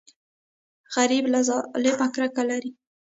غریب له ظلمه کرکه لري